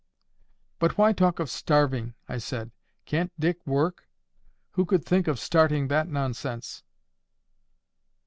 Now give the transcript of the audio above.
"But why talk of starving?" I said. "Can't Dick work? Who could think of starting that nonsense?"